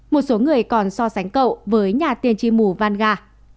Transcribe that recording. một số người còn so sánh cậu với nhà tiên tri mù vanga